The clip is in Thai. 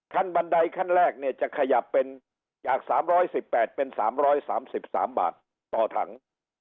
ขั้นบันไดขั้นแรกเนี่ยจะขยับเป็นจากสามร้อยสิบแปดเป็นสามร้อยสามสิบสามบาทต่อถัง